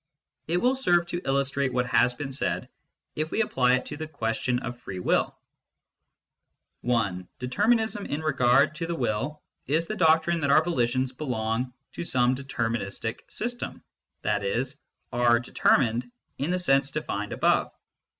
It will serve to illustrate what has been said if we apply it to the question of free will. (i) Determinism in regard to the will is the doctrine that our volitions belong to some deterministic system, i.e. are " determined " in the sense defined above.